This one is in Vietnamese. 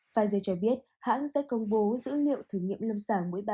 pfizer cho biết hãng sẽ công bố dữ liệu thử nghiệm lâm sàng mới ba